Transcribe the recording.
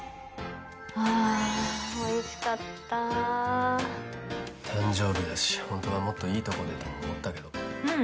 ああおいしかった誕生日だしホントはもっといいとこでとも思ったけどううん